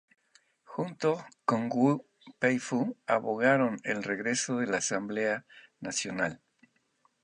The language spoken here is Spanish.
Junto con Wu Peifu abogaron el regreso de la Asamblea Nacional.